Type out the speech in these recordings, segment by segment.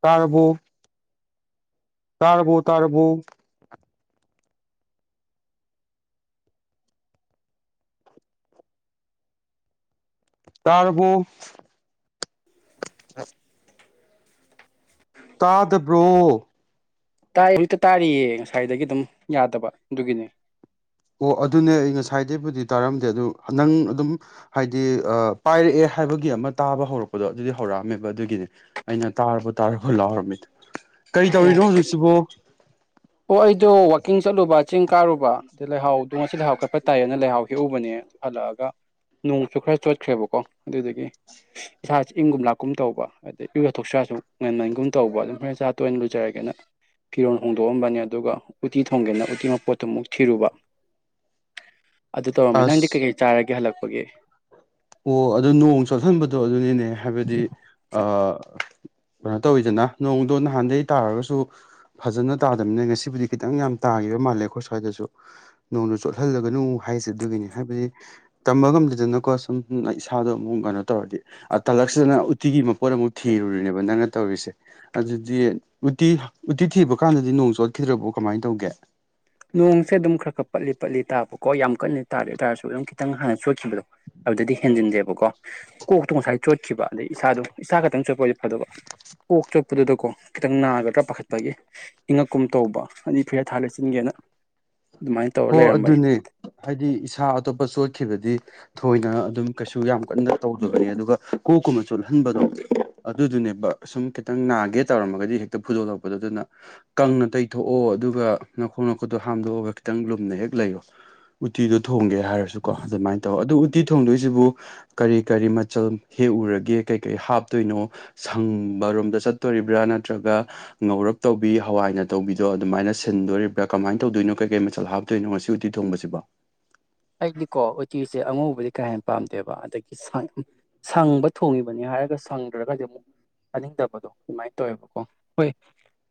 ꯇꯥꯔꯕꯣ ꯇꯥꯔꯕꯨ ꯇꯥꯔꯕꯨ ꯇꯔꯕꯣ [unintelligible] ꯇꯥꯗꯕ꯭ꯔꯣ ꯇꯥꯏ ꯌꯦ ꯍꯧꯖꯤꯛꯇ ꯇꯥꯔꯤꯌꯦ ꯉꯁꯥꯏꯗꯒꯤ ꯑꯗꯨꯝ ꯌꯥꯗꯕ ꯑꯗꯨꯒꯤꯅꯦ ꯑꯣ ꯑꯗꯨꯅꯦ ꯉꯁꯥꯏꯗꯩꯕꯨꯗꯤ ꯇꯥꯔꯝꯗꯦ ꯑꯗꯨ ꯅꯪ ꯑꯗꯨꯝ ꯍꯥꯏꯗꯤ ꯄꯥꯏꯔꯛꯑꯦ ꯍꯥꯏꯕꯒꯤ ꯑꯃ ꯇꯥꯕ ꯍꯧꯔꯛꯄꯗꯣ ꯑꯗꯨꯗꯤ ꯍꯧꯔꯛꯑꯝꯃꯦꯕ ꯑꯗꯨꯒꯤꯅꯦ ꯑꯩꯅ ꯇꯥꯔꯕ ꯇꯥꯔꯕ ꯂꯥꯎꯔꯝꯃꯤꯗꯣ ꯀꯔꯤ ꯇꯧꯔꯤꯅꯣ ꯍꯧꯖꯤꯛꯁꯤꯕꯣ ꯑꯣ ꯑꯩꯗꯣ ꯋꯥꯛꯀꯤꯡ ꯆꯠꯂꯨꯕ ꯆꯤꯡ ꯀꯥꯔꯨꯕ ꯂꯩꯍꯥꯎꯗꯣ ꯉꯁꯤ ꯂꯩꯍꯥꯎ ꯀꯣꯠꯄ ꯇꯥꯏꯌꯦꯅ ꯂꯩꯍꯥꯎ ꯍꯦꯛꯎꯕꯅꯦ ꯍꯜꯂꯛꯑꯒ ꯅꯣꯡꯁꯨ ꯈꯔ ꯆꯣꯠꯈ꯭ꯔꯦꯕꯀꯣ ꯑꯗꯨꯗꯨꯒꯤ ꯏꯁꯥꯁꯤ ꯏꯪꯒꯨꯝ ꯂꯥꯛꯀꯨꯝ ꯇꯧꯕ ꯑꯗꯩ ꯏꯔꯨꯊꯣꯛꯁꯤꯔꯥꯖꯨ ꯉꯟꯃꯟꯒꯨꯝ ꯇꯧꯕ ꯍꯧꯔꯦꯟ ꯆꯥꯛ ꯇꯣꯛ ꯑꯣꯏ ꯂꯨꯖꯔꯒꯦ ꯐꯤꯔꯣꯟ ꯍꯣꯡ ꯗꯣꯑꯝꯕꯅꯤ ꯑꯗꯨꯒ ꯎꯇꯤ ꯊꯣꯡꯒꯦꯅ ꯎꯇꯤ ꯃꯄꯣꯠꯇꯨ ꯑꯃꯨꯛ ꯊꯤꯔꯨꯕ ꯑꯗꯨ ꯇꯧꯔꯝꯃꯦ ꯅꯪꯗꯤ ꯑꯁ ꯀꯩꯀꯩ ꯆꯥꯔꯒꯦ ꯍꯜꯂꯛꯄꯒꯤ ꯑꯣ ꯑꯗꯨ ꯅꯣꯡ ꯆꯣꯠꯍꯟꯕꯗꯣ ꯑꯗꯨꯅꯤꯅꯦ ꯍꯥꯏꯕꯗꯤ ꯑꯥ ꯀꯩꯅꯣ ꯇꯧꯋꯤꯗꯅ ꯅꯣꯡꯗꯣ ꯅꯍꯥꯟꯗꯩ ꯇꯥꯔꯒꯁꯨ ꯐꯖꯅ ꯇꯥꯗꯝꯅꯤꯅ ꯉꯁꯤꯕꯨꯗꯤ ꯈꯤꯇꯪ ꯌꯥꯝ ꯇꯥ ꯇꯥꯒꯤꯕ ꯃꯥꯜꯂꯦ ꯈꯣꯏ ꯁ꯭ꯋꯥꯏꯗꯁꯨ ꯅꯣꯡꯗꯣ ꯆꯣꯠꯍꯜꯂꯒꯅꯨ ꯍꯥꯏꯁꯦ ꯑꯗꯨꯒꯤꯅꯤ ꯍꯥꯢꯕꯗꯤ ꯇꯝꯕ ꯗꯦꯗꯅꯀꯣꯁꯨꯝ ꯎꯝ ꯏꯁꯥꯗꯣ ꯑꯃꯨꯛ ꯀꯩꯅꯣ ꯇꯧꯔꯗꯤ ꯑꯥꯇꯂꯛꯁꯤꯗꯅ ꯎꯇꯤꯒꯤ ꯃꯄꯣꯠ ꯑꯃꯨꯛ ꯊꯤꯔꯨꯔꯤꯅꯦꯕ ꯅꯪꯅ ꯇꯧꯔꯤꯁꯦ ꯑꯗꯨꯗꯤ ꯎꯇꯤ ꯎꯇꯤ ꯊꯤꯕ ꯀꯥꯟꯗꯗꯤ ꯅꯣꯡ ꯆꯣꯠꯈꯤꯗ꯭ꯔꯕꯣ ꯀꯃꯥꯏꯅ ꯇꯧꯒꯦ ꯅꯣꯡꯁꯦ ꯑꯗꯨꯝ ꯈꯔ ꯈꯔ ꯄꯠꯂꯤ ꯄꯠꯂꯤ ꯇꯥꯕꯀꯣ ꯌꯥꯝ ꯀꯟꯅꯗꯤ ꯇꯥꯗꯦ ꯇꯥꯔꯁꯨ ꯑꯗꯨꯝ ꯈꯤꯇꯪ ꯍꯥꯟꯅ ꯆꯣꯠꯈꯤꯕꯗꯣ ꯑꯗꯨꯗꯗꯤ ꯍꯦꯟꯖꯤꯟꯗꯦꯕꯀꯣ ꯀꯣꯛꯇꯣ ꯉꯁꯥꯏ ꯆꯣꯠꯈꯤꯕ ꯑꯗꯩ ꯏꯁꯥꯗꯣ ꯏꯁꯥ ꯈꯛꯇꯪ ꯆꯣꯠ ꯑꯗꯨꯒ ꯀꯣꯛꯆꯨ ꯑꯗꯨꯗꯀꯣ ꯈꯤꯇꯪ ꯅꯥꯒꯗ꯭ꯔ ꯄꯥꯈꯠꯄꯒꯤ ꯏꯪꯉꯛꯀꯨꯝ ꯇꯧꯕ ꯑꯅꯤ ꯐꯨꯔꯤꯠ ꯊꯥꯕ ꯂꯤꯠꯁꯤꯟꯒꯦꯅ ꯍꯣ ꯑꯗꯨꯅꯦ ꯍꯥꯏꯗꯤ ꯏꯁꯥ ꯑꯇꯣꯞꯄ ꯆꯣꯠꯈꯤꯕꯗꯤ ꯊꯣꯏꯅ ꯑꯗꯨꯝ ꯀꯩꯁꯨ ꯌꯥꯝ ꯀꯟꯅ ꯇꯧ ꯑꯗꯨꯒ ꯀꯣꯛꯀꯨꯝꯕ ꯆꯣꯠꯍꯟꯕꯗꯣ ꯑꯗꯨꯗꯨꯅꯦꯕ ꯁꯨꯝ ꯈꯤꯇꯪ ꯅꯥꯒꯦ ꯇꯧꯔꯝꯃꯒꯗꯤ ꯍꯦꯛꯇ ꯐꯨꯗꯣꯛꯂꯛꯄꯗꯣ ꯑꯗꯨꯅ ꯀꯪꯅ ꯇꯩꯊꯣꯛꯑꯣ ꯑꯗꯨꯒ ꯅꯈꯣꯡ ꯅꯈꯨꯠꯇꯣ ꯍꯥꯝꯗꯣꯛꯑꯒ ꯈꯤꯇꯪ ꯂꯨꯝꯅ ꯍꯦꯛ ꯂꯩꯔꯣ ꯎꯇꯤꯗꯣ ꯊꯣꯡꯒꯦ ꯍꯥꯏꯔꯁꯨꯀꯣ ꯑꯗꯨꯃꯥꯏꯅ ꯇꯧ ꯑꯗꯨ ꯎꯇꯤ ꯊꯣꯡꯗꯣꯏꯁꯤꯕꯨ ꯀꯔꯤ ꯀꯔꯤ ꯃꯆꯜ ꯍꯦꯛꯎꯔꯒꯦ ꯀꯔꯤ ꯀꯔꯤ ꯍꯥꯞꯇꯣꯏꯅꯣ ꯁꯪ ꯕ ꯔꯣꯝꯗ ꯆꯠꯇꯣꯔꯤꯕ꯭ꯔ ꯅꯠꯇ꯭ꯔꯒ ꯉꯧꯔꯞ ꯇꯧꯕꯤ ꯍꯋꯥꯏꯅ ꯇꯧꯕꯤꯗꯣ ꯑꯗꯨꯃꯥꯏꯅ ꯁꯤꯟꯗꯣꯔꯤꯕ꯭ꯔꯥ ꯀꯃꯥꯏꯅ ꯇꯧꯗꯣꯏꯅꯣ ꯀꯩ ꯀꯩ ꯃꯆꯜ ꯍꯥꯞꯇꯣꯏꯅꯣ ꯉꯁꯤ ꯎꯇꯤ ꯊꯣꯡꯕꯁꯤꯕꯣ ꯑꯩꯗꯤꯀꯣ ꯎꯇꯤꯁꯦ ꯑꯉꯧꯕꯗꯤ ꯀꯥ ꯍꯦꯟꯅ ꯄꯥꯝꯗꯦꯕ ꯑꯗꯒꯤ ꯁꯪ ꯁꯪꯕ ꯊꯣꯡꯉꯤꯕꯅꯤ ꯍꯥꯏ ꯍꯥꯏꯔꯒ ꯁꯪꯗ꯭ꯔꯒꯗꯤ ꯑꯃꯨꯛ ꯆꯥꯅꯤꯡꯗꯕꯗꯣ ꯑꯗꯨꯃꯥꯏꯅ ꯇꯧꯋꯦꯕꯀꯣ ꯍꯣꯏ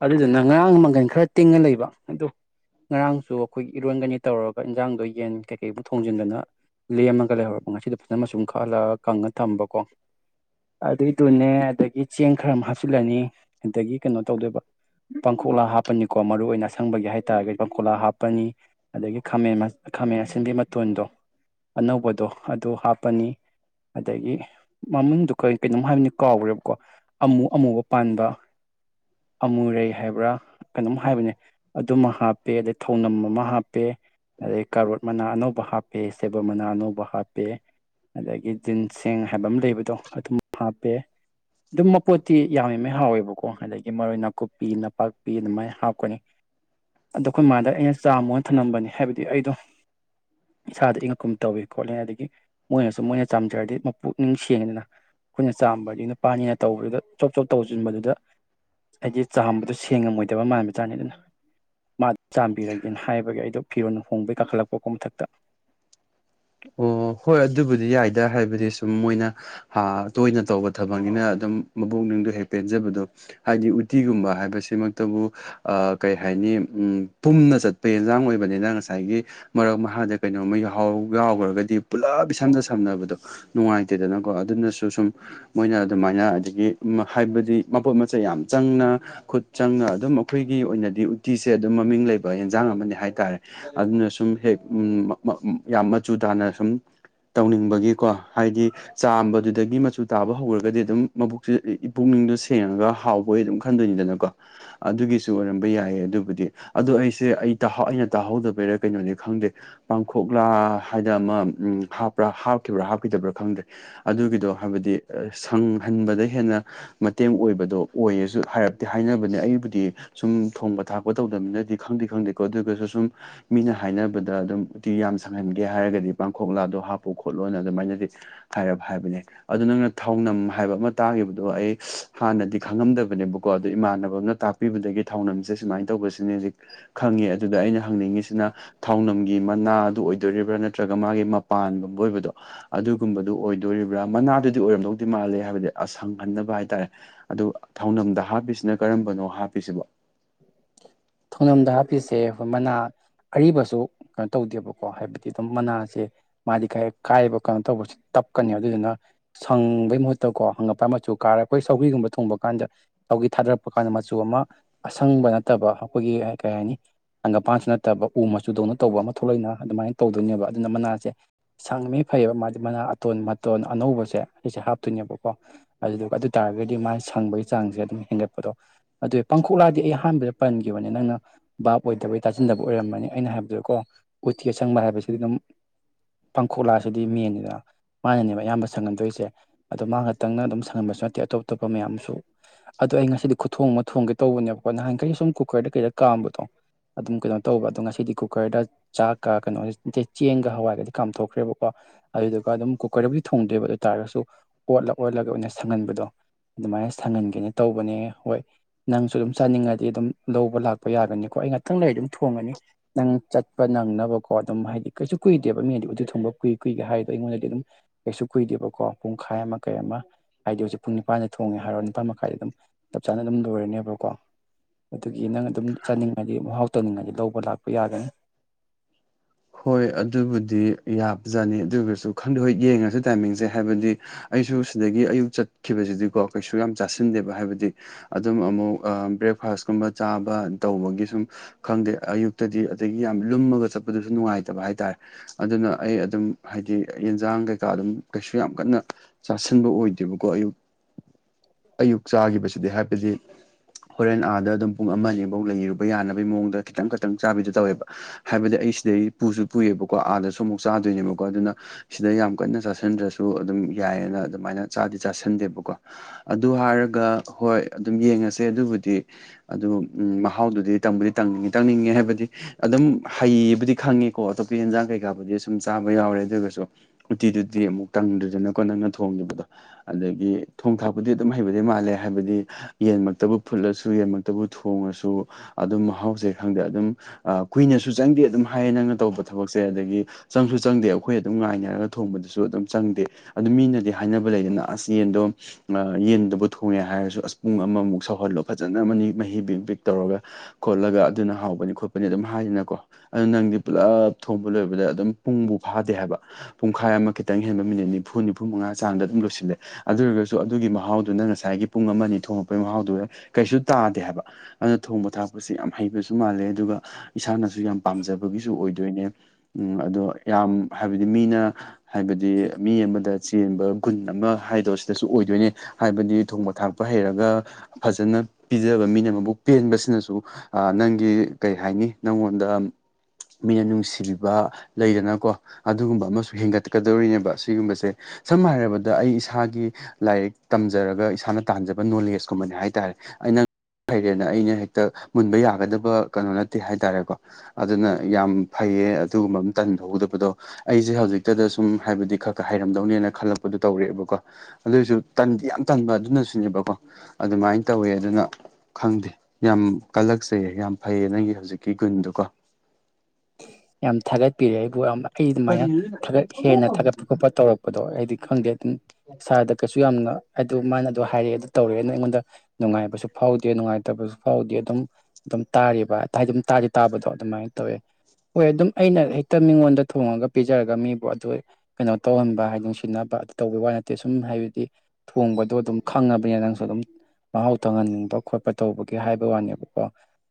ꯑꯗꯨꯗꯨꯅ ꯉꯔꯥꯡ ꯃꯪꯒꯟ ꯈꯔ ꯇꯤꯡꯉ ꯂꯩꯕ ꯑꯗꯨ ꯉꯔꯥꯡꯁꯨ ꯑꯩꯈꯣꯏ ꯏꯔꯣꯟꯒꯅꯤ ꯇꯧꯔꯒ ꯏꯟꯖꯥꯡꯗꯣ ꯌꯦꯟ ꯀꯩ ꯊꯣꯡꯖꯤꯟꯗꯅ ꯂꯦꯝꯃꯒ ꯂꯩꯍꯧꯔꯕ ꯉꯁꯤꯗꯣ ꯐꯖꯅ ꯃꯆꯨꯝ ꯈꯛꯍꯜꯂ ꯀꯪꯉ ꯊꯝꯕꯀꯣ ꯑꯗꯨꯏꯗꯨꯅꯦ ꯑꯗꯨꯗꯒꯤ ꯆꯦꯡ ꯈꯔ ꯑꯃ ꯍꯥꯞꯆꯤꯜꯂꯅꯤ ꯑꯗꯒꯤ ꯀꯩꯅꯣ ꯇꯧꯗꯣꯏꯕ ꯄꯥꯡꯈꯣꯛꯂꯥ ꯍꯥꯞꯄꯅꯤꯀꯣ ꯃꯔꯨ ꯑꯣꯏꯅ ꯑꯁꯪꯕꯒꯤ ꯍꯥꯏꯇꯥꯔꯒꯗꯤ ꯄꯥꯡꯈꯣꯛꯂꯥ ꯍꯥꯞꯄꯅꯤ ꯑꯗꯒꯤ ꯈꯥꯃꯦꯟ ꯈꯥꯃꯦꯟ ꯁꯤꯟꯕꯤ ꯃꯇꯣꯟꯗꯣ ꯑꯅꯧꯕꯗꯣ ꯑꯗꯨ ꯍꯥꯞꯄꯅꯤ ꯑꯗꯒꯤ ꯃꯃꯤꯡꯗꯨ ꯀꯩꯅꯣ ꯀꯩꯅꯣꯝ ꯍꯥꯏꯕꯅꯤ ꯀꯥꯎꯒꯔꯦꯕꯀꯣ ꯑꯃꯨ ꯑꯃꯨꯕ ꯄꯥꯟꯕ ꯑꯃꯨꯔꯩ ꯍꯥꯏꯕ꯭ꯔꯥ ꯀꯩꯅꯣꯝ ꯍꯥꯏꯕꯅꯦ ꯑꯗꯨꯃ ꯍꯥꯞꯄꯦ ꯑꯗꯩ ꯊꯧꯅꯝ ꯑꯃ ꯍꯥꯞꯄꯦ ꯑꯗꯩ ꯀꯥꯔꯣꯠ ꯃꯅꯥ ꯑꯅꯧꯕ ꯍꯥꯞꯄꯦ ꯁꯦꯕꯣꯠ ꯃꯅꯥ ꯑꯅꯧꯕ ꯍꯥꯞꯄꯦ ꯑꯗꯒꯤ ꯖꯤꯟ ꯁꯦꯡ ꯍꯥꯏꯕ ꯑꯃ ꯂꯩꯕꯗꯣ ꯑꯗꯨꯝꯃ ꯍꯥꯞꯄꯦ ꯑꯗꯨꯝ ꯃꯄꯣꯠꯇꯤ ꯌꯥꯝꯃꯩ ꯍꯥꯎꯋꯦꯕꯀꯣ ꯑꯗꯒꯤ ꯃꯔꯣꯏ ꯅꯥꯀꯨꯞꯄꯤ ꯅꯄꯥꯛꯄꯤ ꯑꯗꯨꯃꯥꯏꯅ ꯍꯥꯞꯀꯅꯤ ꯑꯗꯣ ꯈꯣꯏ ꯏꯃꯥꯗ ꯑꯩꯅ ꯆꯥꯝꯃꯣꯅ ꯊꯅꯝꯕꯅꯦ ꯍꯥꯏꯕꯗꯤ ꯑꯩꯗꯣ [inaudible] ꯏꯁꯥꯗ ꯏꯪꯉꯛꯀꯨꯝ ꯇꯧꯌꯤ ꯈꯣꯠꯂꯤ ꯑꯗꯒꯤ ꯃꯣꯏꯅꯁꯨ ꯃꯣꯏꯅ ꯆꯥꯝꯖꯔꯗꯤ ꯃꯄꯨꯛꯅꯤꯡ ꯁꯦꯡꯉꯤꯗꯅ ꯑꯩꯈꯣꯏꯅ ꯆꯥꯝꯕꯅꯤꯅ ꯅꯨꯄꯥꯅꯤꯅ ꯇꯧꯕꯗꯨꯗ ꯆꯣꯞ ꯆꯣꯞ ꯇꯧꯁꯤꯟꯕꯗꯨꯗ ꯍꯥꯏꯗꯤ ꯆꯥꯝꯕꯗꯨ ꯁꯦꯡꯉꯝꯃꯣꯏꯗꯕ ꯃꯥꯟꯕ ꯖꯥꯠꯅꯤ ꯗꯅ ꯃꯥ ꯆꯥꯝꯕꯤꯔꯒꯦꯅ ꯍꯥꯏꯕꯒꯤ ꯑꯩꯗꯣ ꯐꯤꯔꯣꯟ ꯍꯣꯡꯕꯒꯤ ꯀꯥꯈꯠꯂꯛ ꯄꯣꯛꯀꯣꯛ ꯃꯊꯛꯇ ꯑꯣ ꯍꯣꯏ ꯑꯗꯨꯕꯨꯗꯤ ꯌꯥꯏꯗ ꯍꯥꯏꯕꯗꯤ ꯁꯨꯝ ꯃꯣꯏꯅ ꯍꯥ ꯇꯣꯏꯅ ꯇꯧꯕ ꯊꯕꯛꯅꯤꯅ ꯑꯗꯨꯝ ꯃꯕꯨꯛꯅꯤꯡꯗꯣ ꯍꯦꯛ ꯄꯦꯟꯖꯕꯗꯣ ꯍꯥꯏꯗꯤ ꯎꯇꯤꯒꯨꯝꯕ ꯍꯥꯏꯕꯁꯤꯃꯛꯇꯕꯨ ꯑ ꯀꯩ ꯍꯥꯏꯅꯤ ꯎ ꯄꯨꯝꯅ ꯆꯠꯄ ꯌꯦꯟꯖꯥꯡ ꯑꯣꯏꯕꯅꯤꯅ ꯉꯁꯥꯏꯒꯤ ꯃꯔꯛ ꯃꯍꯥꯗ ꯀꯩꯅꯣꯝꯃ ꯌꯥꯍꯥꯎ ꯌꯥꯎꯒ꯭ꯔꯒꯗꯤ ꯄꯨꯜꯂꯞ ꯏꯁꯝꯗ ꯁꯝꯅꯕꯗꯣ ꯅꯨꯡꯉꯥꯏꯇꯦꯗꯅꯀꯣ ꯑꯗꯨꯅꯁꯨ ꯁꯨꯝ ꯃꯣꯏꯅ ꯑꯗꯨꯃꯥꯏꯅ ꯑꯗꯒꯤ ꯍꯥꯏꯕꯗꯤ ꯃꯄꯣꯠ ꯃꯆꯩ ꯌꯥꯝ ꯆꯪꯅ ꯈꯨꯠ ꯆꯪꯅ ꯑꯗꯨꯝ ꯑꯩꯈꯣꯏꯒꯤ ꯑꯣꯏꯅꯗꯤ ꯎꯇꯤꯁꯦ ꯑꯗꯨꯝ ꯃꯃꯤꯡ ꯂꯩꯕ ꯌꯦꯟꯖꯥꯡ ꯑꯃꯅꯤ ꯍꯥꯏꯇꯥꯔꯦ ꯑꯗꯨꯅ ꯁꯨꯝ ꯍꯦꯛ ꯎꯝ ꯃ ꯃ ꯌꯥꯝ ꯃꯆꯨ ꯇꯥꯅ ꯁꯨꯝ ꯇꯧꯅꯤꯡꯕꯒꯤꯀꯣ ꯍꯥꯏꯗꯤ ꯆꯥꯝꯕꯗꯨꯗꯒꯤ ꯃꯆꯨ ꯇꯥꯕ ꯍꯧꯔꯒꯗꯤ ꯑꯗꯨꯝ ꯃꯕꯨꯛꯆꯦ ꯄꯨꯛꯅꯤꯡꯗꯣ ꯁꯦꯡꯉꯒ ꯍꯥꯎꯕꯣꯏ ꯑꯗꯨꯝ ꯈꯟꯗꯣꯏꯅꯤꯗꯅꯀꯣ ꯑꯗꯨꯒꯤꯁꯨ ꯑꯣꯏꯔꯝꯕ ꯌꯥꯏꯌꯦ ꯑꯗꯨꯕꯨꯗꯤ ꯑꯗꯣ ꯑꯩꯁꯦ ꯑꯩ ꯑꯩꯅ ꯇꯥꯍꯧꯗꯕꯩꯔ ꯀꯩꯅꯣꯅꯤ ꯈꯪꯗꯦ ꯄꯥꯡꯈꯣꯛꯂꯥ ꯍꯥꯏꯗꯅ ꯑꯃ ꯎꯝ ꯍꯥꯞꯄ꯭ꯔꯥ ꯍꯥꯞꯈꯤꯕ꯭ꯔꯥ ꯍꯥꯞꯈꯤꯗꯕ꯭ꯔꯥ ꯈꯪꯗ꯭ꯔꯦ ꯑꯗꯨꯒꯤꯗꯣ ꯍꯥꯏꯕꯗꯤ ꯁꯪꯍꯟꯕꯗ ꯍꯦꯟꯅ ꯃꯇꯦꯡ ꯑꯣꯏꯕꯗꯣ ꯑꯣꯏꯁꯨ ꯍꯥꯔꯞꯇꯤ ꯍꯥꯏꯅꯕꯅꯦ ꯑꯩꯕꯨꯗꯤ ꯁꯨꯝ ꯊꯣꯡꯕ ꯊꯥꯛꯄ ꯇꯧꯗꯅꯤꯅ ꯑꯗꯨꯗꯤ ꯈꯪꯗꯤ ꯈꯪꯗꯦꯀꯣ ꯑꯗꯨꯏꯒꯁꯨ ꯁꯨꯝ ꯃꯤꯅ ꯍꯥꯏꯅꯕꯗ ꯑꯗꯨꯝ ꯑꯨꯇꯤ ꯌꯥꯝ ꯁꯪꯍꯟꯒꯦ ꯍꯥꯏꯔꯒꯗꯤ ꯄꯥꯡꯈꯣꯛꯂꯥꯗꯣ ꯍꯥꯞꯄꯨ ꯈꯣꯠꯂꯨꯅ ꯑꯗꯨꯃꯥꯏꯅꯗꯤ ꯍꯥꯏꯔꯞ ꯍꯥꯏꯕꯅꯦ ꯑꯗꯨ ꯅꯪꯅ ꯊꯧꯅꯝ ꯍꯥꯏꯕ ꯑꯃ ꯇꯥ ꯗꯣ ꯑꯩ ꯍꯥꯟꯅꯗꯤ ꯈꯪꯉꯝꯗꯕꯅꯦꯕꯀꯣ ꯑꯗꯣ ꯏꯃꯥꯟꯅꯕ ꯑꯃꯅ ꯇꯥꯛꯄꯤꯕꯗꯒꯤ ꯊꯥꯎꯅꯝꯁꯦ ꯁꯨꯃꯥꯏꯅ ꯇꯧꯕꯁꯦ ꯍꯧꯖꯤꯛ ꯈꯪꯉꯦ ꯑꯗꯨꯗ ꯑꯩꯅ ꯍꯪꯅꯤꯡꯉꯤꯁꯤꯅ ꯊꯧꯎꯅꯝꯒꯤ ꯃꯅꯥ ꯑꯗꯨ ꯑꯣꯏꯗꯣꯔꯤꯕ꯭ꯔꯥ ꯅꯠꯇ꯭ꯔꯒ ꯅꯠꯇ꯭ꯔꯒ ꯃꯥꯒꯤ ꯃꯄꯥꯟꯒꯨꯝꯕ ꯑꯣꯏꯕꯗꯣ ꯑꯗꯨꯒꯨꯝꯕꯗꯨ ꯑꯣꯏꯗꯣꯔꯤꯕ꯭ꯔꯥ ꯃꯅꯥꯗꯨꯗꯤ ꯑꯣꯏꯔꯝꯗꯧꯗꯤ ꯃꯥꯜꯂꯦ ꯍꯥꯏꯕꯗꯤ ꯑ ꯁꯪꯍꯟꯅꯕ ꯍꯥꯏꯇꯥꯔꯦ ꯑꯗꯨ ꯊꯥꯎꯅꯝꯗ ꯍꯥꯞꯄꯤꯁꯤꯅ ꯀꯔꯝꯕꯅꯣ ꯍꯥꯞꯄꯤꯁꯤꯕꯣ [inaudible] ꯊꯣꯡꯅꯝꯗ ꯍꯥꯞꯄꯤꯁꯦ ꯑꯩꯈꯣꯏ ꯃꯅꯥ ꯑꯔꯤꯕꯁꯨ ꯀꯩꯅꯣ ꯇꯧꯗꯦꯕꯀꯣ ꯍꯥꯏꯕꯗꯤ ꯑꯗꯨꯝ ꯃꯅꯥꯁꯦ ꯃꯥꯗꯤ ꯀꯥꯔꯛ ꯀꯥꯏꯕ ꯀꯩꯅꯣ ꯇꯧꯕꯁꯦ ꯇꯞꯀꯅꯤ ꯑꯗꯨꯗꯨꯅ ꯁꯪꯕꯩ ꯃꯍꯨꯠꯇ ꯀꯣ ꯍꯪꯀꯄꯥꯜ ꯃꯆꯨ ꯀꯥꯔ ꯑꯩꯈꯣꯏ ꯁꯧꯒꯔꯤꯒꯨꯝꯕ ꯊꯣꯡꯕ ꯀꯥꯟꯗ ꯒꯤ ꯊꯥꯗꯔꯛꯄ ꯀꯥꯟꯗ ꯃꯆꯨ ꯑꯃ ꯑꯁꯪꯕ ꯅꯠꯇꯕ ꯑꯩꯈꯣꯏꯒꯤ ꯀꯩ ꯍꯥꯏꯅꯤ ꯍꯪꯒꯄꯥꯟꯁꯨ ꯅꯠꯇꯕ ꯎ ꯃꯆꯨꯗꯧꯅ ꯇꯧꯕ ꯑꯃ ꯊꯣꯛꯂꯛꯏꯅ ꯑꯗꯨꯃꯥꯏꯅ ꯇꯧꯗꯣꯏꯅꯦꯕ ꯑꯗꯨꯅ ꯃꯅꯥꯁꯦ ꯁꯪꯉꯤꯉꯩ ꯐꯩꯌꯦꯕ ꯃꯥꯗꯤ ꯃꯅꯥ ꯑꯇꯣꯟ ꯃꯇꯣꯟ ꯑꯅꯧꯕꯁꯦ ꯁꯤꯁꯦ ꯍꯥꯞꯇꯣꯏꯅꯦꯕꯀꯣ ꯑꯗꯨꯗꯨꯒ ꯑꯗꯨ ꯇꯥꯔ ꯑꯗꯧꯗꯤ ꯁꯪꯕꯩ ꯆꯥꯡꯁꯦ ꯑꯗꯨꯝ ꯍꯦꯟꯒꯠꯄꯗꯣ ꯑꯗꯨꯏ ꯄꯥꯡ ꯈꯣꯛꯂꯥꯗꯤ ꯑꯩ ꯑꯍꯥꯟꯕꯗ ꯄꯟꯈꯤꯕꯅꯤ ꯅꯪꯅ ꯕꯥꯞ ꯑꯣꯏꯗꯕꯩ ꯇꯥꯁꯤꯟꯗꯕ ꯑꯣꯏꯔꯝꯃꯅꯤ ꯑꯩꯅ ꯍꯥꯏꯕꯗꯨꯀꯣ ꯑꯁꯪꯕ ꯍꯥꯏꯕꯁꯤꯗꯤ ꯑꯗꯨꯝ ꯄꯥꯡꯈꯣꯛꯂꯥꯁꯤꯗꯤ ꯃꯦꯟꯅꯤꯗꯅ ꯃꯥꯅꯅꯦꯕ ꯑꯌꯥꯝꯕ ꯁꯪꯍꯟꯗꯣꯏꯁꯦ ꯑꯗꯣ ꯃꯥ ꯉꯥꯛꯇꯪꯅ ꯑꯗꯨꯝ ꯁꯪꯍꯟꯕꯁꯨ ꯅꯠꯇꯦ ꯑꯇꯣꯞ ꯑꯇꯣꯞꯄ ꯃꯌꯥꯝꯁꯨ ꯑꯗꯣ ꯑꯩ ꯉꯁꯤꯗꯤ ꯈꯨꯊꯣꯡ ꯑꯃ ꯊꯣꯡꯒꯦ ꯇꯧꯕꯅꯦꯕꯀꯣ ꯅꯍꯥꯟꯀꯩ ꯁꯨꯝ ꯀꯨꯀꯔꯗ ꯀꯩꯗ ꯀꯥꯝꯕꯗꯣ ꯑꯗꯨꯝ ꯀꯩꯅꯣ ꯇꯧꯕ ꯑꯗꯣ ꯉꯁꯤꯗꯤ ꯀꯨꯀꯔꯗ ꯆꯥꯛꯀ ꯀꯩꯅꯣ ꯆꯦ ꯆꯦꯡꯒ ꯍꯋꯥꯏꯒꯗꯤ ꯀꯥꯝꯊꯣꯛꯈ꯭ꯔꯦꯕꯀꯣ ꯑꯗꯨꯗꯨꯒ ꯑꯗꯨꯝ ꯀꯨꯀꯔꯗꯕꯨꯗꯤ ꯊꯣꯡꯗꯦꯕ ꯑꯗꯨ ꯇꯥꯔꯒꯁꯨ ꯑꯣꯠꯂ ꯑꯣꯠꯂꯒ ꯑꯣꯏꯅ ꯁꯪꯍꯟꯕꯗꯣ ꯑꯗꯨꯃꯥꯏꯅ ꯁꯥꯡꯍꯟꯒꯦꯅꯦ ꯇꯧꯕꯅꯦ ꯍꯣꯏ ꯅꯪꯁꯨ ꯑꯗꯨꯝ ꯆꯥꯅꯤꯡꯉꯗꯤ ꯑꯗꯨꯝ ꯂꯧꯕ ꯂꯥꯛꯄ ꯌꯥꯒꯅꯤꯀꯣ ꯑꯩ ꯉꯥꯛꯇꯪ ꯂꯩꯔꯗꯤ ꯑꯗꯨꯝ ꯊꯣꯡꯉꯅꯤ ꯅꯪ ꯆꯠꯄ ꯅꯪ ꯅꯪꯅꯕꯀꯣ ꯑꯗꯨꯝ ꯍꯥꯏꯗꯤ ꯀꯩꯁꯨ ꯀꯨꯏꯗꯦꯕ ꯃꯤꯅꯗꯤ ꯎꯇꯤ ꯊꯣꯡꯕ ꯀꯨꯏ ꯀꯨꯏꯒ ꯍꯥꯏꯗꯣ ꯑꯩꯉꯣꯟꯗꯗꯤ ꯑꯗꯨꯝ ꯀꯩꯁꯨ ꯀꯨꯏꯗꯦꯕꯀꯣ ꯄꯨꯡꯈꯥꯏ ꯑꯃ ꯀꯩ ꯑꯃ ꯍꯥꯏꯗꯤ ꯍꯧꯖꯤꯛ ꯄꯨꯡ ꯅꯤꯄꯥꯟꯗ ꯊꯣꯡꯉꯦ ꯍꯥꯏꯔꯣ ꯅꯤꯄꯥꯜ ꯃꯈꯥꯏꯗ ꯑꯗꯨꯝ ꯆꯞ ꯆꯥꯅ ꯑꯗꯨꯝ ꯂꯣꯏꯔꯅꯦꯕꯀꯣ ꯑꯗꯨꯒꯤ ꯅꯪ ꯑꯗꯨꯝ ꯆꯥꯅꯤꯡꯉꯗꯤ ꯃꯍꯥꯎ ꯇꯣꯡꯅꯤꯡꯉꯗꯤ ꯂꯧꯕ ꯂꯥꯛꯄ ꯌꯥꯒꯅꯤ ꯍꯣꯏ ꯑꯗꯨꯕꯨꯗꯤ ꯌꯥꯕꯖꯥꯠꯅꯤ ꯑꯗꯨꯒꯁꯨ ꯈꯪꯗꯦ ꯍꯣꯏ ꯌꯦꯡꯉꯁꯦ ꯇꯥꯏꯃꯤꯡꯁꯦ ꯍꯥꯏꯕꯗꯤ ꯑꯩꯁꯨ ꯁꯤꯗꯒꯤ ꯑꯌꯨꯛ ꯆꯠꯈꯤꯕꯁꯤꯗꯤꯀꯣ ꯀꯩꯁꯨ ꯌꯥꯝ ꯆꯥꯁꯤꯟꯗꯦꯕ ꯍꯥꯏꯕꯗꯤ ꯑꯗꯨꯝ ꯑꯃꯨꯛ ꯕ꯭ꯔꯦꯛ ꯕ꯭ꯔꯦꯛꯐꯥꯁ ꯀꯨꯝꯕ ꯆꯥꯕ ꯇꯧꯕꯒꯤ ꯁꯨꯝ ꯈꯪꯗꯦ ꯑꯌꯨꯛꯇꯗꯤ ꯑꯗꯒꯤ ꯌꯥꯝ ꯂꯨꯝꯃꯒ ꯆꯠꯄꯗꯨ ꯁꯨ ꯅꯨꯡꯉꯥꯏꯇꯕ ꯍꯥꯏꯇꯥꯔꯦ ꯑꯗꯨꯅ ꯑꯩ ꯑꯗꯨꯝ ꯍꯥꯏꯗꯤ ꯌꯦꯟꯁꯥꯡ ꯀꯩꯀꯥ ꯑꯗꯨꯝ ꯀꯩꯁꯨ ꯌꯥꯝ ꯀꯟꯅ ꯆꯥꯁꯤꯟꯕ ꯑꯣꯏꯗꯦꯕꯀꯣ ꯑꯌꯨꯛ ꯑꯌꯨꯛ ꯆꯥꯈꯤꯕꯁꯤꯗꯤ ꯍꯥꯏꯕꯗꯤ ꯍꯣꯔꯦꯟ ꯑꯥꯗ ꯑꯗꯨꯝ ꯄꯨꯡ ꯑꯃ ꯑꯅꯤꯐꯧ ꯂꯩꯔꯨꯕ ꯌꯥꯅꯕꯒꯤ ꯃꯑꯣꯡꯗ ꯈꯤꯇꯪ ꯈꯇꯪ ꯆꯥꯕꯤꯗꯨ ꯇꯧꯋꯦꯕ ꯍꯥꯏꯕꯗꯤ ꯑꯩ ꯁꯤꯗꯩ ꯄꯨꯁꯨ ꯄꯨꯌꯦꯕꯀꯣ ꯑꯥꯗꯁꯨ ꯑꯃꯨꯛ ꯆꯥꯗꯣꯏꯅꯦꯕꯀꯣ ꯑꯗꯨꯅ ꯁꯤꯗ ꯌꯥꯝ ꯀꯟꯅ ꯆꯥꯁꯤꯟꯗ꯭ꯔꯁꯨ ꯑꯗꯨꯝ ꯌꯥꯏ ꯌꯥꯌꯦꯅ ꯑꯗꯨꯃꯥꯏꯅ ꯆꯥꯗꯤ ꯆꯥꯁꯤꯟꯗꯦꯕꯀꯣ ꯑꯗꯨ ꯍꯥꯏꯔꯒ ꯍꯣꯏ ꯑꯗꯨꯝ ꯌꯦꯡꯉꯁꯦ ꯑꯗꯨꯕꯨꯗꯤ ꯑꯗꯨ ꯎꯝ ꯃꯍꯥꯎꯗꯨꯗꯤ ꯇꯪꯕꯨꯗꯤ ꯇꯪꯅꯤꯡꯉꯤ ꯇꯪꯅꯤꯡꯉꯦ ꯍꯥꯏꯕꯗꯤ ꯑꯗꯨꯝ ꯍꯩꯌꯦꯕꯨꯗꯤ ꯈꯪꯉꯤꯀꯣ ꯑꯇꯣꯞꯄ ꯌꯦꯟꯖꯥꯡ ꯀꯩꯀꯥꯕꯨꯗꯤ ꯁꯨꯝ ꯆꯥꯕ ꯌꯥꯎꯔꯦ ꯑꯗꯨꯒꯁꯨ ꯎꯇꯤꯗꯨꯗꯤ ꯑꯃꯨꯛ ꯇꯪꯗ꯭ꯔꯤꯗꯅꯀꯣ ꯅꯪ ꯅ ꯊꯣꯡꯈꯤꯕꯗꯣ ꯑꯗꯒꯤ ꯊꯣꯡ ꯊꯥꯛꯄꯗꯤ ꯑꯗꯨꯝ ꯍꯩꯕꯗꯤ ꯃꯥꯜꯂꯦ ꯍꯥꯏꯕꯗꯤ ꯌꯦꯟꯃꯛꯇꯕꯨ ꯐꯨꯠꯂ ꯁꯨ ꯌꯦꯟꯃꯛꯇꯕꯨ ꯊꯣꯡꯉꯁꯨ ꯑꯗꯨꯝ ꯃꯍꯥꯎꯁꯦ ꯈꯪꯗꯦ ꯑꯗꯨꯝ ꯀꯨꯏꯅꯁꯨ ꯆꯪꯗꯦ ꯑꯗꯨꯝ ꯍꯥꯏꯌꯦ ꯅꯪꯅ ꯇꯧꯕ ꯊꯕꯛꯁꯦ ꯑꯗꯒꯤ ꯆꯪꯁꯨ ꯆꯪꯗꯦ ꯑꯩꯈꯣꯏ ꯑꯗꯨꯝ ꯉꯥꯏꯅꯔꯒ ꯊꯣꯡꯕꯗꯨꯁꯨ ꯑꯗꯨꯝ ꯆꯪꯗꯦ ꯃꯤꯅꯗꯤ ꯍꯥꯏꯅꯕ ꯂꯩꯗꯅ ꯑꯁ ꯌꯦꯟꯗꯣ ꯌꯦꯟꯗꯕꯨ ꯊꯣꯡꯉꯦ ꯍꯥꯏꯔꯖꯨ ꯑꯁ ꯄꯨꯡ ꯑꯃꯃꯨꯛ ꯁꯧꯍꯜꯂꯣ ꯐꯖꯅ ꯃꯍꯤ ꯕꯤꯛ ꯕꯤꯛ ꯇꯧꯔꯒ ꯈꯣꯠꯂꯒ ꯑꯗꯨꯅ ꯍꯥꯎꯕꯅꯤ ꯈꯣꯠꯄꯅꯤ ꯑꯗꯨꯝ ꯍꯥꯏꯗꯅꯀꯣ ꯑꯗꯨ ꯅꯪꯗꯤ ꯄꯨꯂꯞ ꯊꯣꯡꯕ ꯂꯣꯏꯕꯗ ꯑꯗꯨꯝ ꯄꯨꯡꯕꯨ ꯐꯥꯗꯦ ꯍꯥꯏꯕ ꯄꯨꯡꯈꯥꯏ ꯑꯃ ꯈꯤꯇꯪ ꯍꯦꯟꯕ ꯃꯤꯅꯤꯠ ꯅꯤꯐꯨ ꯄꯨꯡ ꯅꯤꯐꯨ ꯃꯉꯥ ꯆꯥꯡꯗ ꯑꯗꯨꯝ ꯂꯣꯏꯁꯤꯜꯂꯦ ꯑꯗꯨ ꯑꯣꯏꯔꯒꯖꯨ ꯑꯗꯨꯒꯤ ꯃꯍꯥꯎꯗꯨꯅ ꯉꯁꯥꯏꯒꯤ ꯄꯨꯡ ꯑꯃ ꯑꯅꯤ ꯊꯣꯡꯉꯛꯄꯒꯤ ꯃꯍꯥꯎꯗꯨꯒ ꯀꯩꯁꯨ ꯇꯥꯗꯦ ꯍꯥꯏꯕ ꯑꯗꯨꯅ ꯊꯣꯡꯕ ꯊꯥꯛꯄꯁꯦ ꯌꯥꯝ ꯍꯩꯕꯁꯨ ꯃꯥꯜꯂꯦ ꯑꯗꯨꯒ ꯏꯁꯥꯅꯁꯨ ꯌꯥꯝ ꯄꯥꯝꯖꯕꯒꯤꯁꯨ ꯑꯣꯏ ꯎꯝ ꯑꯗꯣ ꯌꯥꯝ ꯍꯥꯏꯕꯗꯤ ꯃꯤꯅ ꯍꯥꯏꯕꯗꯤ ꯃꯤ ꯑꯃꯗ ꯆꯦꯟꯕ ꯒꯨꯟ ꯑꯃ ꯍꯥꯏꯗꯣ ꯁꯤꯗꯁꯨ ꯑꯣꯏꯗꯣꯏꯅꯦ ꯍꯥꯏꯕꯗꯤ ꯊꯣꯡꯕ ꯊꯥꯛꯄ ꯍꯩꯔꯒ ꯐꯖꯅ ꯄꯤꯖ ꯃꯤꯅ ꯑꯃꯕꯨꯛ ꯄꯦꯟꯕꯁꯤꯅꯁꯨ ꯅꯪꯒꯤ ꯀꯩ ꯍꯥꯏꯅꯤ ꯅꯪꯉꯣꯟꯗ ꯃꯤꯅ ꯅꯨꯡꯁꯤꯕꯤꯕ ꯂꯩꯗꯅꯀꯣ ꯑꯗꯨꯒꯨꯝꯕ ꯑꯃꯁꯨ ꯍꯦꯟꯒꯠꯀꯗꯧꯔꯤꯅꯦꯕ ꯁꯤꯒꯨꯝꯕꯁꯦ ꯁꯝꯅ ꯍꯥꯏꯔꯕꯗ ꯑꯩ ꯏꯁꯥꯒꯤ ꯂꯥꯏꯔꯤꯛ ꯇꯝꯖꯔꯒ ꯏꯁꯥꯅ ꯇꯥꯟꯖꯕ ꯅꯣꯂꯦꯖꯀꯨꯝꯕꯅꯦ ꯍꯥꯏ ꯇꯥꯔꯦ ꯑꯩꯅ ꯍꯩꯔꯦꯅ ꯑꯩꯅ ꯍꯦꯛꯇ ꯃꯨꯟꯕ ꯌꯥꯒꯗꯕ ꯀꯩꯅꯣ ꯅꯠꯇꯦ ꯍꯥꯏ ꯇꯥꯔꯦꯀꯣ ꯑꯗꯨꯅ ꯌꯥꯝ ꯐꯩꯌꯦ ꯑꯗꯨ ꯒꯨꯝꯕꯃ ꯇꯟꯍꯧꯗꯣ ꯑꯩꯖꯦ ꯍꯧꯖꯤꯛꯇꯗ ꯁꯨꯝ ꯍꯥꯏꯕꯗꯤ ꯈꯔ ꯈ ꯍꯥꯏ ꯍꯩꯔꯝꯗꯧꯕꯅꯦꯅ ꯈꯜꯂꯛꯄꯗꯣ ꯇꯧꯔꯛꯑꯦꯕꯀꯣ ꯑꯗꯨꯏꯖꯨ ꯇꯟꯗꯤ ꯌꯥꯝ ꯇꯟꯕ ꯑꯗꯨꯅꯁꯨꯅꯦꯕꯀꯣ ꯑꯗꯨꯃꯥꯢ ꯑꯗꯨꯃꯥꯏꯅ ꯇꯧꯋꯦ ꯑꯗꯨꯅ ꯈꯪꯗꯦ ꯌꯥꯝ ꯀꯜꯂꯛꯆꯩꯌꯦ ꯌꯥꯝ ꯐꯩꯌꯦ ꯅꯪꯒꯤ ꯍꯧꯖꯤꯛꯀꯤ ꯒꯨꯟꯗꯣꯀꯣ ꯌꯥꯝ ꯊꯥꯒꯠꯄꯤꯔꯦ ꯑꯩꯕꯨ ꯌꯥꯝ ꯑꯩ ꯑꯗꯨꯃꯥꯏꯅ ꯊꯥꯒꯠ ꯍꯦꯟꯅ ꯊꯥꯒꯠꯄ ꯈꯣꯠꯄ ꯇꯧꯔꯛꯄꯗꯣ ꯑꯩꯗꯤ ꯈꯪꯗꯦ ꯗꯨꯝ ꯏꯁꯥꯗ ꯀꯩꯁꯨ ꯌꯥꯝꯅ ꯑꯗꯨ ꯃꯥꯅ ꯑꯗꯨ ꯍꯥꯏꯔꯛꯑꯦ ꯑꯗꯨ ꯇꯧꯔꯛꯑꯦꯅ ꯑꯩꯉꯣꯟꯗ ꯅꯨꯡꯉꯥꯏꯕꯁꯨ ꯐꯥꯎꯗꯦ ꯅꯨꯡꯉꯥꯏꯇꯕꯁꯨ ꯐꯥꯎꯗꯦ ꯑꯗꯨꯝ ꯑꯗꯨꯝ ꯇꯥꯔꯤꯕ ꯍꯥꯏꯗꯤ ꯑꯗꯨꯝ ꯇꯥꯔꯤ ꯇꯥꯕꯗꯣ ꯑꯗꯨꯃꯥꯏꯅ ꯇꯧꯋꯦ ꯍꯣꯏ ꯑꯗꯨꯝ ꯑꯩꯅ ꯍꯦꯛꯇ ꯃꯤꯉꯣꯟꯗ ꯊꯣꯡꯉꯒ ꯄꯤꯖꯔꯒ ꯃꯤꯕꯨ ꯑꯗꯨ ꯀꯩꯅꯣ ꯇꯧꯍꯟꯕ ꯍꯥꯏ ꯅꯨꯡꯁꯤꯅꯕ ꯇꯧꯕꯒꯤ ꯋꯥ ꯅꯠꯇꯦ ꯁꯨꯝ ꯍꯥꯏꯕꯗꯤ ꯊꯣꯡꯕꯗꯣ ꯑꯗꯨꯝ ꯈꯪꯉꯕꯅꯤꯅ ꯅꯪꯁꯨ ꯑꯗꯨꯝ ꯃꯍꯥꯎ ꯇꯪꯍꯟꯅꯤꯡꯕ ꯈꯣꯠꯄ ꯇꯧꯕꯒꯤ ꯍꯥꯏꯕ ꯋꯥꯅꯦꯕꯀꯣ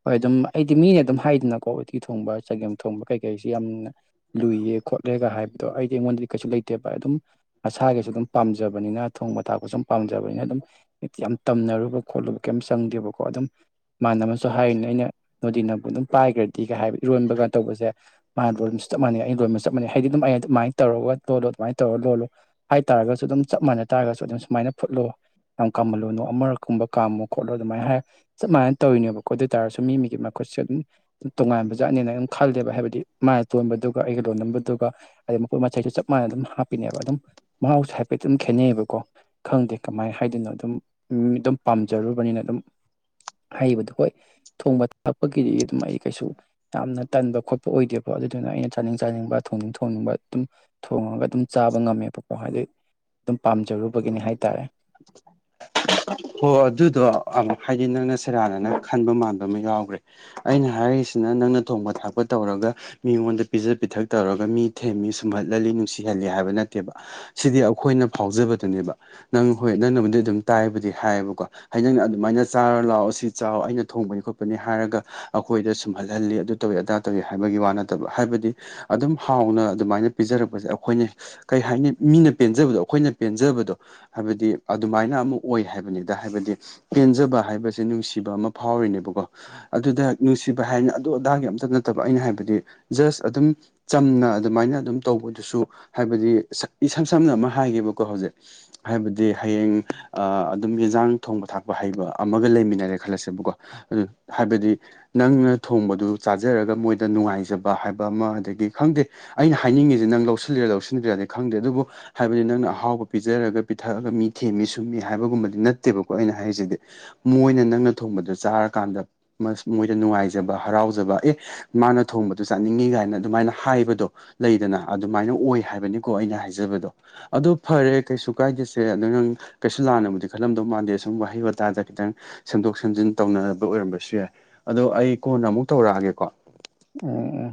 ꯍꯣꯏ ꯑꯗꯨꯝ ꯑꯩꯗꯤ ꯃꯤꯅ ꯑꯗꯨꯝ ꯍꯥꯏꯗꯅꯀꯣ ꯎꯇꯤ ꯊꯣꯡꯕ ꯆꯒꯦꯝ ꯊꯣꯡꯕ ꯀꯩꯀꯩꯁꯤ ꯌꯥꯝꯅ ꯂꯨꯏꯌꯦ ꯈꯣꯠꯂꯦꯒ ꯍꯥꯏꯕꯗꯣ ꯑꯩꯗꯤ ꯑꯩꯉꯣꯟꯗꯗꯤ ꯀꯩꯁꯨ ꯂꯩꯇꯦꯕ ꯑꯗꯨꯝ ꯏꯁꯥꯒꯤꯁꯨ ꯑꯗꯨꯝ ꯄꯥꯝꯖꯕꯅꯤꯅ ꯊꯣꯡꯕ ꯊꯥꯛꯄꯁꯨꯨꯝ ꯄꯥꯝꯖꯕꯅꯤꯅ ꯑꯗꯨꯝ ꯌꯥꯝ ꯇꯝꯅꯔꯨꯕ ꯈꯣꯠꯂꯨꯕ ꯀꯩꯝ ꯆꯪ ꯈꯪꯗꯦꯕꯀꯣ ꯑꯗꯨꯝ ꯃꯅꯕꯅꯁꯨ ꯍꯥꯏꯔꯤꯅꯦ ꯑꯩꯅ ꯅꯣꯗꯤꯅꯕꯨ ꯑꯗꯨꯝ ꯄꯥꯏꯒ꯭ꯔꯗꯤ ꯍꯥꯏ ꯏꯔꯣꯟꯕꯒ ꯃꯥ ꯂꯣꯟꯕꯁꯨ ꯆꯞ ꯃꯥꯟꯅꯩ ꯑꯩ ꯂꯣꯟꯕꯁꯨ ꯆꯞ ꯃꯥꯟꯅꯩ ꯍꯥꯏꯗꯤ ꯑꯗꯨꯝ ꯑꯩ ꯑꯗꯨꯃꯥꯏ ꯇꯧꯔꯒ ꯂꯣꯜꯂꯣ ꯑꯗꯨꯃꯥꯏꯅ ꯇꯧꯔꯒ ꯂꯣꯜꯂꯣ ꯍꯥꯏꯇꯥꯔꯒꯁꯨ ꯑꯗꯨꯝ ꯆꯞꯃꯥꯟꯅ ꯇꯥꯔꯁꯨ ꯑꯗꯨꯝ ꯁꯨꯃꯥꯏꯅ ꯐꯨꯠꯂꯣ ꯌꯥꯝ ꯀꯥꯃꯜꯂꯨꯅꯣ ꯑꯃꯨꯔꯛꯀꯨꯝꯕ ꯀꯥꯃꯨ ꯈꯣꯠꯂꯣ ꯑꯗꯨꯃꯥꯏꯅ ꯍꯥꯏꯔ ꯆꯞꯃꯥꯟꯅꯅ ꯇꯧꯔꯤꯅꯦꯕꯀꯣ ꯑꯗꯨ ꯑꯣꯏꯇꯥꯥꯔꯁꯨ ꯃꯤ ꯃꯤꯒꯤ ꯃꯈꯨ ꯁꯨ ꯑꯗꯨꯝ ꯇꯣꯉꯥꯟꯕ ꯖꯥꯠꯅꯤꯅ ꯑꯩꯝ ꯈꯜꯂꯦꯕ ꯍꯥꯏꯕꯗꯤ ꯃꯥꯢ ꯑꯇꯣꯟꯕꯗꯨꯒ ꯑꯩꯒꯤ ꯂꯣꯟꯅꯕꯗꯨꯒ ꯍꯥꯢꯗꯤ ꯃꯄꯣꯠ ꯃꯆꯩꯁꯨ ꯆꯞ ꯃꯥꯟꯅ ꯑꯗꯨꯝ ꯍꯥꯞꯄꯤꯅꯦꯕ ꯑꯗꯨꯝ ꯃꯍꯥꯎꯁꯦ ꯍꯥꯏꯐꯦꯠꯇꯤ ꯑꯗꯨꯝ ꯈꯦꯠꯅꯩꯌꯦꯕꯀꯣ ꯈꯪꯗꯦ ꯀꯃꯥꯏꯅ ꯍꯥꯏꯗꯣꯏꯅꯣ ꯑꯗꯨꯝ ꯃꯤ ꯑꯗꯨꯝ ꯄꯥꯝꯖꯔꯨꯕꯅꯤꯅ ꯑꯗꯨꯝ ꯍꯩꯕꯗꯨ ꯍꯣꯏ ꯊꯣꯡꯕ ꯊꯥꯛꯄꯒꯤꯗꯤ ꯑꯗꯨꯝ ꯑꯩ ꯀꯩꯁꯨ ꯌꯥꯝꯅ ꯇꯟꯕ ꯈꯣꯠꯄ ꯑꯣꯏꯗꯦꯕꯣ ꯑꯗꯨꯗꯨꯅ ꯑꯩꯅ ꯆꯥꯅꯤꯡ ꯆꯥꯅꯤꯡꯕ ꯊꯣꯡꯅꯤꯡ ꯊꯣꯡꯅꯤꯡꯕ ꯑꯗꯨꯝ ꯊꯣꯡꯉꯒ ꯑꯗꯨꯝ ꯆꯥꯕ ꯉꯝꯃꯦꯕ ꯍꯥꯏꯗꯤ ꯑꯗꯨꯝ ꯄꯥꯝꯖꯔꯨꯕꯒꯤꯅꯤ ꯍꯥꯏꯇꯥꯔꯦ [unintelligible] ꯍꯣ ꯑꯗꯨꯗꯣ ꯑꯝ ꯍꯥꯏꯗꯤ ꯅꯪꯅ ꯁꯦꯔꯥꯟꯅꯅ ꯈꯟꯕ ꯃꯥꯟꯕ ꯑꯃ ꯌꯥꯎꯒ꯭ꯔꯦ ꯑꯩꯅ ꯍꯥꯏꯔꯤꯁꯤꯅ ꯅꯪꯅ ꯊꯣꯡꯕ ꯊꯥꯛꯄ ꯇꯧꯔꯒ ꯃꯤꯉꯣꯟꯗ ꯄꯤꯖ ꯄꯤꯊꯛ ꯇꯧꯔꯒ ꯃꯤ ꯊꯦꯝꯃꯤ ꯁꯨꯝꯍꯠꯍꯜꯂꯤ ꯅꯨꯡꯁꯤꯍꯜꯂꯤ ꯍꯥꯏꯕ ꯅꯠꯇꯦꯕ ꯁꯤꯗꯤ ꯑꯩꯈꯣꯏꯅ ꯐꯥꯎꯖꯕꯗꯨꯅꯦꯕ ꯅꯪ ꯍꯣꯏ ꯅꯪꯅꯕꯨꯗꯤ ꯑꯗꯨꯝ ꯇꯥꯏꯕꯨꯗꯤ ꯍꯥꯏꯌꯦꯕꯀꯣ ꯍꯥꯏ ꯅꯪꯅ ꯑꯗꯨꯃꯥꯏꯅ ꯆꯥꯔ ꯂꯥꯛꯑꯣ ꯁꯤ ꯆꯥꯎ ꯑꯩꯅ ꯊꯣꯡꯕꯅꯤ ꯈꯣꯠꯄꯅꯤ ꯍꯥꯏꯔꯒ ꯑꯩꯈꯣꯏꯗ ꯁꯨꯝꯍꯜꯍꯜꯂꯤ ꯑꯗꯨ ꯇꯧꯋꯤ ꯑꯗꯥ ꯇꯧꯋꯤ ꯍꯥꯏꯕꯒꯤ ꯋꯥ ꯅꯠꯇꯕ ꯍꯥꯏꯕꯗꯤ ꯑꯗꯨꯝ ꯍꯥꯎꯅ ꯑꯗꯨꯃꯥꯏꯅ ꯄꯤꯖꯔꯛꯄꯁꯦ ꯑꯩꯈꯣꯏꯅ ꯀꯩ ꯍꯥꯏꯅꯤ ꯃꯤꯅ ꯄꯦꯟꯖꯕꯗꯣ ꯑꯩꯈꯣꯏꯅ ꯄꯦꯟꯖꯕꯗꯣ ꯍꯥꯏꯕꯗꯤ ꯑꯗꯨꯃꯥꯏꯅ ꯑꯃ ꯑꯣꯏ ꯍꯥꯏꯕꯅꯤꯗ ꯍꯥꯏꯕꯗꯤ ꯄꯦꯟꯖꯕ ꯍꯥꯏꯕꯁꯦ ꯅꯨꯡꯁꯤꯕ ꯑꯃ ꯐꯥꯎꯔꯤꯅꯦꯕ ꯑꯗꯨꯗ ꯅꯨꯡꯁꯤꯕ ꯍꯥꯏꯅ ꯑꯗꯨ ꯑꯗꯥꯒꯤ ꯑꯝꯇꯒꯤ ꯅꯠꯇꯕ ꯑꯩꯅ ꯍꯥꯏꯕꯗꯤ ꯖꯁ ꯑꯗꯨꯝ ꯆꯝ ꯅ ꯑꯗꯨꯃꯥꯏꯅ ꯑꯗꯨꯝ ꯇꯧꯕꯗꯨꯁꯨ ꯍꯥꯏꯕꯗꯤ ꯏꯁꯝ ꯁꯝꯅ ꯑꯃ ꯍꯥꯏꯒꯦꯕꯀꯣ ꯍꯧꯖꯤꯛ ꯍꯥꯏꯕꯗꯤ ꯍꯌꯦꯡ ꯑ ꯑꯗꯨꯝ ꯌꯦꯟꯖꯥꯡ ꯊꯣꯡꯕ ꯊꯥꯛꯄ ꯍꯩꯕ ꯑꯃꯒ ꯂꯩꯃꯤꯟꯅꯔꯦ ꯈꯜꯂꯁꯦꯕꯀꯣ ꯑꯗꯨ ꯍꯥꯏꯕꯗꯤ ꯅꯪꯅ ꯊꯣꯡꯕꯗꯨ ꯆꯥꯖꯔꯒ ꯃꯣꯏꯗ ꯅꯨꯡꯉꯥꯏꯖꯕ ꯍꯥꯏꯕ ꯑꯃ ꯑꯗꯒꯤ ꯈꯪꯗꯦ ꯑꯩꯅ ꯍꯥꯏꯅꯤꯡꯉꯤꯁꯦ ꯅꯪ ꯂꯧꯁꯤꯜꯂꯤꯔꯥ ꯂꯧꯁꯤꯟꯗ꯭ꯔꯤꯔꯗꯤ ꯈꯪꯗꯦ ꯑꯗꯨꯕꯨ ꯍꯥꯏꯕꯗꯤ ꯅꯪꯅ ꯑꯍꯥꯎꯕ ꯄꯤꯖꯔꯒ ꯄꯤꯊꯛꯑꯒ ꯃꯤ ꯊꯦꯝꯃꯤ ꯁꯨꯝꯃꯤ ꯍꯥꯏꯕꯒꯨꯝꯕꯗꯤ ꯅꯠꯇꯦꯕꯀꯣ ꯑꯩꯅ ꯍꯥꯏꯔꯤꯁꯤꯗꯤ ꯃꯣꯏꯅ ꯅꯪꯅ ꯊꯣꯡꯕꯗꯣ ꯆꯥꯔ ꯀꯥꯟꯗ ꯃꯣꯏꯗ ꯅꯨꯡꯉꯥꯏꯖꯕ ꯍꯔꯥꯎꯖꯕ ꯑꯦ ꯃꯥꯅ ꯊꯣꯡꯕꯗꯨ ꯆꯥꯅꯤꯡꯉꯤ ꯀꯥꯏꯅ ꯑꯗꯨꯃꯥꯏꯅ ꯍꯥꯏ ꯍꯥꯏꯕꯗꯣ ꯂꯩꯗꯅ ꯑꯗꯨꯃꯥꯏꯅ ꯑꯣꯏ ꯍꯥꯏꯕꯅꯤꯀꯣ ꯑꯩꯅ ꯍꯥꯏꯖꯕꯗꯣ ꯑꯗꯨ ꯐꯔꯦ ꯀꯩꯁꯨ ꯀꯥꯏꯗꯦꯁꯦ ꯑꯗꯣ ꯅꯪ ꯀꯩꯁꯨ ꯂꯥꯟꯅꯕꯨꯗꯤ ꯈꯜꯂꯝꯗꯧ ꯃꯥꯟꯗꯦ ꯑꯁꯨꯝ ꯋꯥꯍꯩ ꯋꯥꯇꯥꯗ ꯈꯤꯇꯪ ꯁꯦꯝꯗꯣꯛ ꯁꯦꯝꯖꯤꯟ ꯇꯧꯅ ꯑꯣꯏꯔꯝꯕꯁꯨ ꯌꯥꯏ ꯑꯗꯣ ꯑꯩ ꯀꯣꯟꯅ ꯑꯃꯨꯛ ꯇꯧꯔꯛꯑꯒꯦꯀꯣ ꯑꯣ